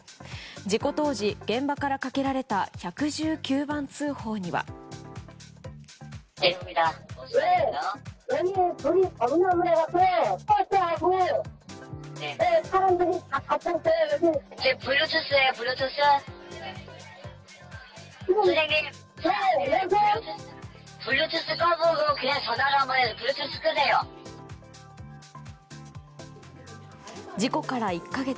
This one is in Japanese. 事故当時、現場からかけられた１１９番通報には。事故から１か月。